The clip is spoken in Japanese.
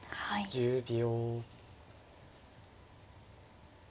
１０秒。